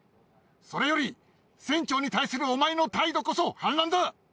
それより、船長に対するお前の態度こそ反乱だ！